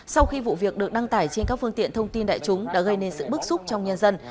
sau khi vụ việc được đăng tải trên các phương tiện thông tin đại chúng đã gây nên sự bức xúc trong nhân dân